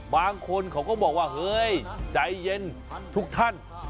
บางคนเขาก็บอกว่าเฮ้ยใจเย็นทุกท่าน